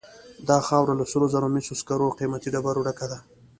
دا خاوره له سرو زرو، مسو، سکرو او قیمتي ډبرو ډکه ده.